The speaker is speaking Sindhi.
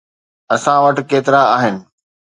اسان وٽ ڪيترا آهن؟